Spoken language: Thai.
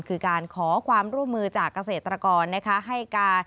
คือการขอความร่วมมือจากเกษตรกรนะคะ